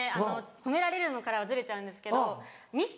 褒められるのからはずれちゃうんですけどミス